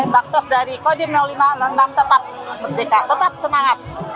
baksos dari kodim lima ratus enam tetap merdeka tetap semangat